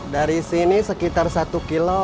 dari sini sekitar satu kilo